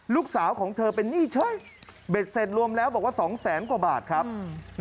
ลูกสาวของเธอเป็นหนี้เฉยเบ็ดเสร็จรวมแล้วบอกว่าสองแสนกว่าบาทครับ